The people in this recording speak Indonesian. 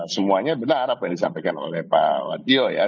semuanya benar apa yang disampaikan oleh pak wadio ya